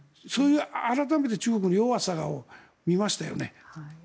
改めて中国の弱さを見ましたよね。